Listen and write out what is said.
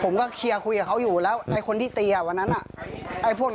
ผมก็เคลียร์คุยกับเขาอยู่แล้วในคนที่ตีอะวันนั้นล่ะพวก